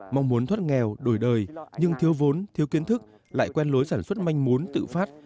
mong muốn thoát nghèo đổi đời nhưng thiếu vốn thiếu kiến thức lại quen lối sản xuất manh muốn tự phát